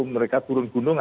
mereka turun gunung